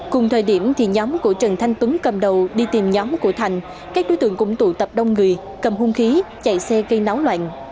cùng thời điểm thì nhóm của trần thanh tuấn cầm đầu đi tìm nhóm của thành các đối tượng cũng tụ tập đông người cầm hung khí chạy xe gây náo loạn